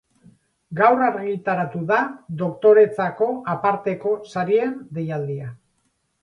Gaur argitaratu da Doktoretzako Aparteko Sarien deialdia.